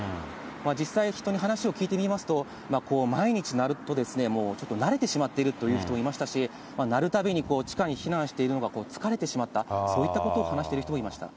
実際、人に話を聞いてみますと、毎日鳴ると、もうちょっと慣れてしまっているという人もいましたし、鳴るたびに地下に避難しているのが疲れてしまった、そういったことを話している人もいました。